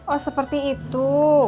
oh seperti itu